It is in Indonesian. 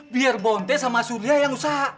biar bonte sama surya yang usaha